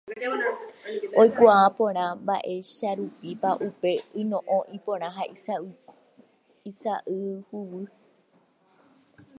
Oikuaa porã mba'eicharupípa upe yno'õ ipóra ha isa'y huguy.